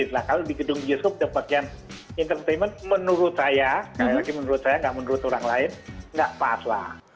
nah kalau di gedung bioskop dapat yang entertainment menurut saya sekali lagi menurut saya nggak menurut orang lain nggak pas lah